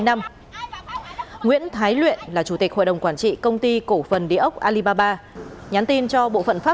nguyễn thái luyện là chủ tịch hội đồng quản trị công ty cổ phần điều tra công an tỉnh bà rịa vũng tàu